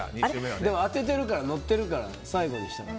でも当ててるから乗ってるから、最後にしたら。